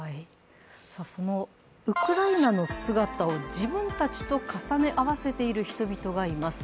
そのウクライナの姿を自分たちと重ね合わせている人々がいます。